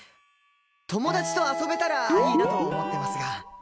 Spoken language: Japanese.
友達と遊べたらいいなと思ってますが。